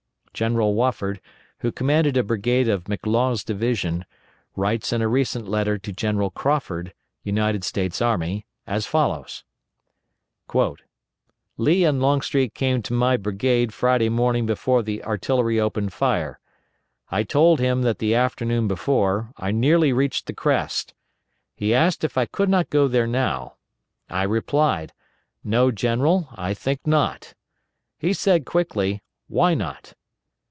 General Wofford, who commanded a brigade of McLaws' division, writes in a recent letter to General Crawford, United States Army, as follows: "Lee and Longstreet came to my brigade Friday morning before the artillery opened fire. I told him that the afternoon before, I nearly reached the crest. He asked if I could not go there now. I replied, 'No, General, I think not.' He said quickly, 'Why not?'